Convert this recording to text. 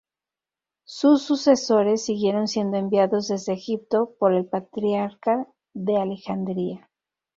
Sus sucesores siguieron siendo enviados desde Egipto por el patriarca de Alejandría.